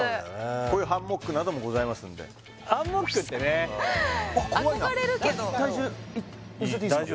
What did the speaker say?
こういうハンモックなどもございますんでハンモックってね憧れるけど体重乗せていいですか？